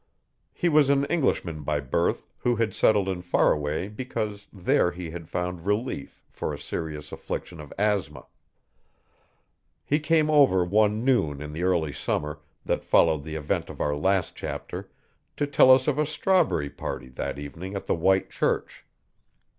He was an Englishman by birth, who had settled in Faraway because there he had found relief for a serious affliction of asthma. He came over one noon in the early summer, that followed the event of our last chapter, to tell us of a strawberry party that evening at the White Church.